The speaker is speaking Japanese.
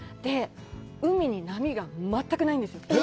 海に波が全くないんです。